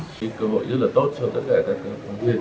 cơ hội rất là tốt cho tất cả các bác viên